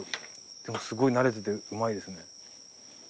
でもすごい慣れててうまいですね。